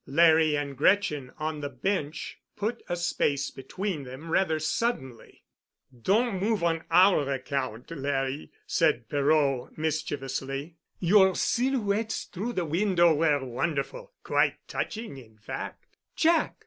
Larry and Gretchen on the bench put a space between them rather suddenly. "Don't move on our account, Larry," said Perot mischievously; "your silhouettes through the window were wonderful—quite touching—in fact." "Jack!"